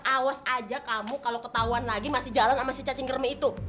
awas aja kamu kalau ketahuan lagi masih jalan sama si cacing kermi itu